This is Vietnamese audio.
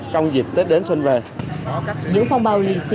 trong dịp tết đến xuân về